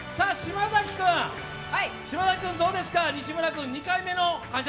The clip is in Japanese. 嶋崎君、どうですか。